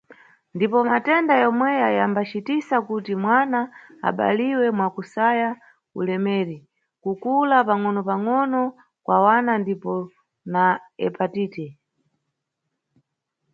Ndipo matenda yomweya yambacitisa kuti mwana abaliwe mwakusaya ulemeri, kukula pangʼonopangʼono kwa wana ndipo na hepatite.